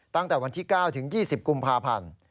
ตั้งแต่วันที่๙ถึง๒๐กุมภาพันธ์